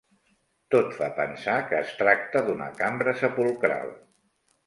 Tot fa pensar que es tracta d'una cambra sepulcral.